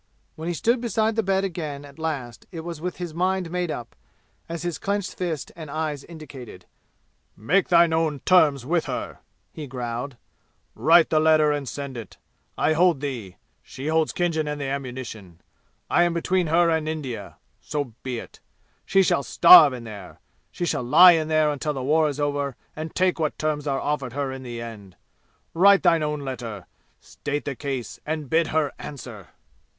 When he stood beside the bed again at last it was with his mind made up, as his clenched fists and his eyes indicated. "Make thine own terms with her!" he growled. "Write the letter and send it! I hold thee; she holds Khinjan and the ammunition. I am between her and India. So be it. She shall starve in there! She shall lie in there until the war is over and take what terms are offered her in the end! Write thine own letter! State the case, and bid her answer!"